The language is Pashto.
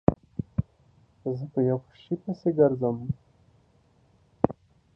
زه په یوه شي پسې گرځم